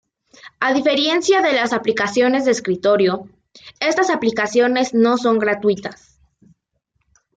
A diferencia de las aplicaciones de escritorio, esta aplicaciones no son gratuitas.